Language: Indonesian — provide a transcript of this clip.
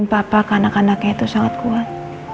kekal papa ke anak anaknya itu sangat kuat